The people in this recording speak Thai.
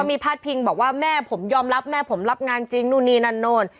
มีพาดพิงบอกว่าแม่ผมยอมรับแม่ผมรับงานจริงนู่นนี่นั่นนู่น